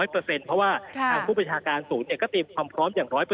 เพราะว่าทางผู้ประชาการศูนย์ก็เตรียมความพร้อมอย่าง๑๐๐